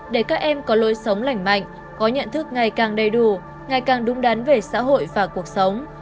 để các em có lối sống lành mạnh có nhận thức ngày càng đầy đủ ngày càng đúng đắn về xã hội và cuộc sống